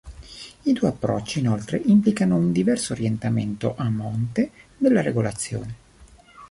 I due approcci inoltre implicano un diverso orientamento, a monte, della regolazione.